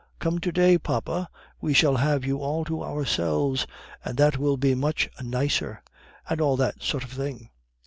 'Come to day, papa, we shall have you all to ourselves, and that will be much nicer!' and all that sort of thing.